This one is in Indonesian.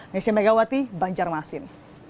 nesya megawati banjarmasin